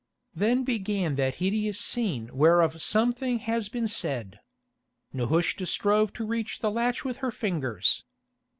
Then began that hideous scene whereof something has been said. Nehushta strove to reach the latch with her fingers.